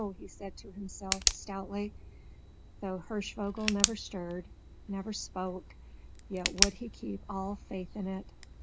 he said to himself, stoutly: though Hirschvogel never stirred, never spoke, yet would he keep all faith in it!